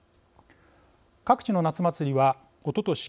各地の夏祭りはおととし